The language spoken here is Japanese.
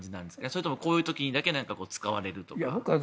それとも、こういう時にだけ使われるとかは。